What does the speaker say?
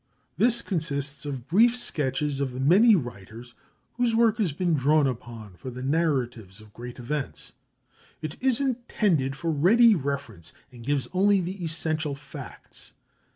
This consists of brief sketches of the many writers whose work has been drawn upon for the narratives of Great Events. It is intended for ready reference, and gives only the essential facts.